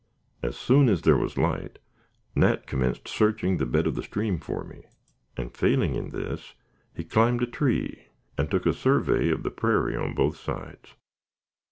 As soon as there was light, Nat commenced searching the bed of the stream for me, and failing in this, he climbed a tree and took a survey of the prairie on both sides.